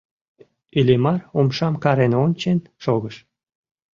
Иллимар умшам карен ончен шогыш.